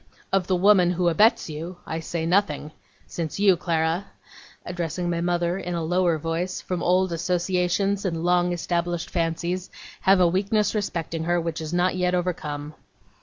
Of the woman who abets you, I say nothing since you, Clara,' addressing my mother in a lower voice, 'from old associations and long established fancies, have a weakness respecting her which is not yet overcome.